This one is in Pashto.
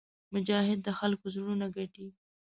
مجاهد د خلکو زړونه ګټي.